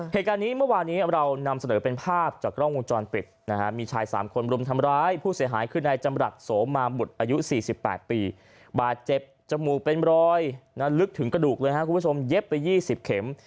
เหตุการณ์นี้เมื่อวานี้เรานำเสนอเป็นภาพจากกล้องวงจรปิดนะฮะมีชาย๓คนรุมทำร้ายผู้เสียหายคือนายจำรัฐโสมาบุตรอายุ๔๘ปีบาดเจ็บจมูกเป็นรอยลึกถึงกระดูกเลยครับคุณผู้ชมเย็บไป๒๐เข็ม